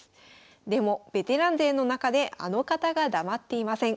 でもベテラン勢の中であの方が黙っていません。